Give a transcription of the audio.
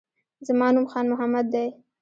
زما نوم خان محمد دی